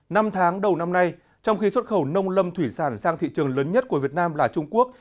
năm tháng đầu năm nay trong khi xuất khẩu nông lâm thủy sản sang thị trường lớn nhất của việt nam là trung quốc